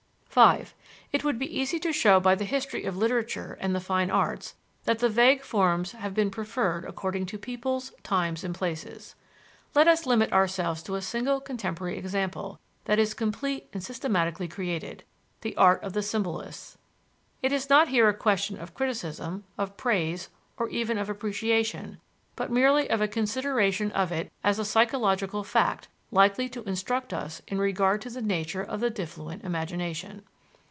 (5) It would be easy to show by the history of literature and the fine arts that the vague forms have been preferred according to peoples, times, and places. Let us limit ourselves to a single contemporary example that is complete and systematically created the art of the "symbolists." It is not here a question of criticism, of praise, or even of appreciation, but merely of a consideration of it as a psychological fact likely to instruct us in regard to the nature of the diffluent imagination.